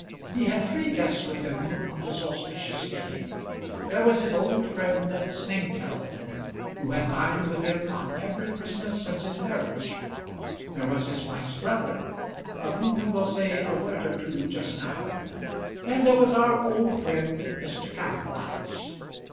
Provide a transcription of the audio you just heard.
He had three guests with him on this auspicious day. There was his old friend Snengkeld, who had dined with him on every Christmas since his marriage; there was his wife's brother, of whom we will say a word or two just now; and there was our old friend, Mr. Kantwise.